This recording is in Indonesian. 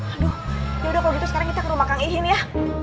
aduh yaudah kalau gitu sekarang kita ke rumah kang ihin ya